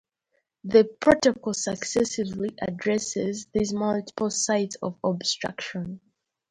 The Protocol successively addresses these multiple sites of obstruction.